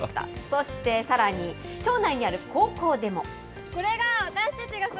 そしてさらに、町内にある高校でも。